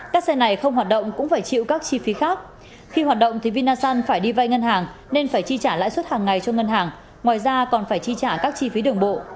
các xe này không hoạt động cũng phải chịu các chi phí khác khi hoạt động thì vinasun phải đi vay ngân hàng nên phải chi trả lãi suất hàng ngày cho ngân hàng ngoài ra còn phải chi trả các chi phí đường bộ